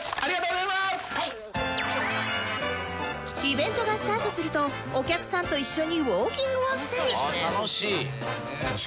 イベントがスタートするとお客さんと一緒にウォーキングをしたり